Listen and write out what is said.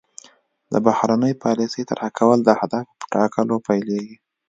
د بهرنۍ پالیسۍ طرح کول د اهدافو په ټاکلو پیلیږي